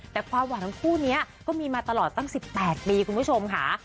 แต่ความหวานทั้งคู่นี้ก็มีมาตลอดตั้ง๑๘ปีคุณผู้ชมค่ะ